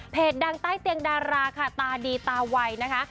ดังใต้เตียงดาราค่ะตาดีตาวัยนะคะ